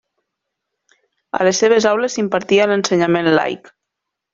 A les seves aules s'impartia l'ensenyament laic.